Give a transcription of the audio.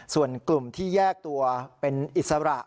ส่วนกลุ่มที่แยกตัวเป็นอิสระ